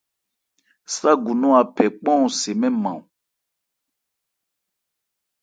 Ságu nɔn a phɛ kpán-yɔn se mɛ́n nman.